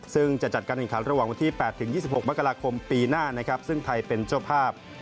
ซึ่งจะจัดการแข่งขันระหว่างวันที่๘๒๖มกราคมปีหน้านะครับซึ่งไทยเป็นเจ้าภาพ